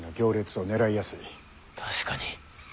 確かに。